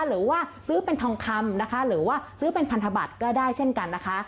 หรือว่าซื้อเป็นทองคำนะคะหรือว่าซื้อเป็นพันธบัตรก็ได้เช่นกันนะคะ